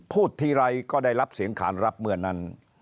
พูดทีไรก็ได้รับเสียงขานรับเมื่อนั้น